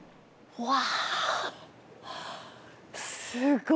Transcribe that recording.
うわ。